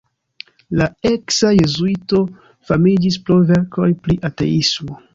La eksa jezuito famiĝis pro verkoj pri ateismo.